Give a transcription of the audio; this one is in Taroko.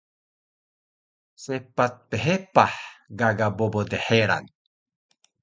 Sepac phepah gaga bobo dheran